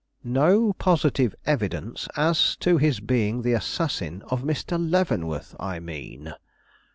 "No positive evidence as to his being the assassin of Mr. Leavenworth, I mean?"